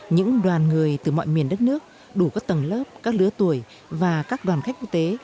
những đoàn người từ mọi miền đất nước đủ các tầng lớp các lứa tuổi và các đoàn khách quốc tế